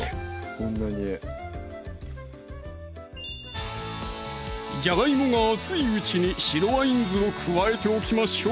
こんなにじゃがいもが熱いうちに白ワイン酢を加えておきましょう